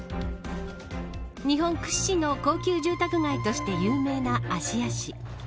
日本屈指の高級住宅街として有名な芦屋市。